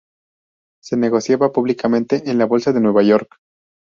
Se negociaba públicamente en la Bolsa de Nueva York.